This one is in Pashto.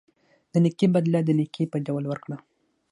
د نیکۍ بدله د نیکۍ په ډول ورکړه.